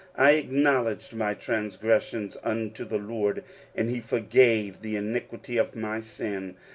I acknowledged my transgressions unto the Lord, and he forgave the iniquity of my sin.